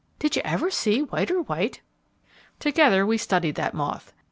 "Did you ever see whiter white?" Together we studied that moth.